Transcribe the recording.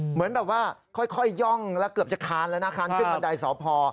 เหมือนแบบว่าค่อยย่องแล้วเกือบจะคานแล้วนะคานขึ้นบันไดสพ